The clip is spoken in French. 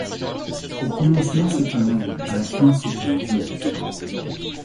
Au commencement c’est un âne, à la fin c’est un lion.